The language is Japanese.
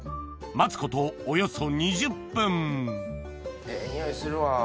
待つことおよそ２０分ええ匂いするわ。